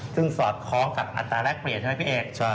ซึ่งสอดคล้องกับอัตราแรกเปลี่ยนใช่ไหมพี่เอก